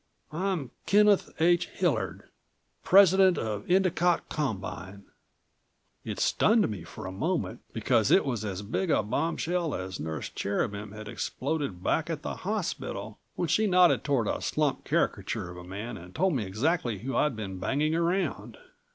I'm Kenneth H. Hillard, President of the Endicott Combine." It stunned me for a moment, because it was as big a bombshell as Nurse Cherubin had exploded back at the hospital when she'd nodded toward a slumped caricature of a man and told me exactly who I'd been banging around.